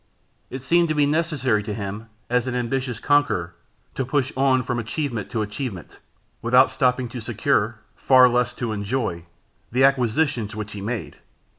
It seemed to be necessary to him, as to an ambitious conqueror, to push on from achievement to achievement, without stopping to secure, far less to enjoy, the acquisitions which he made.